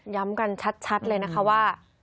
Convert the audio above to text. ย้ำกันชัดเลยนะคะว่า